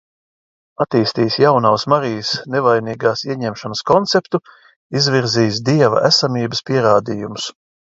Attīstījis Jaunavas Marijas nevainīgās ieņemšanas konceptu, izvirzījis Dieva esamības pierādījumus.